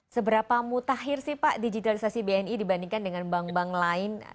seberapa mutakhir sih pak digitalisasi bni dibandingkan dengan bank bank lain